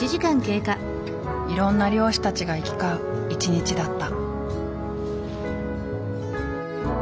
いろんな漁師たちが行き交う一日だった。